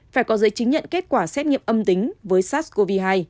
phải có giấy chứng nhận kết quả xét nghiệm âm tính với sars cov hai